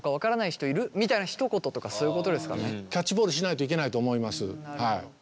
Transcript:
キャッチボールしないといけないと思います。